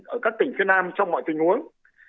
ở các tỉnh phía nam trong mọi tình huống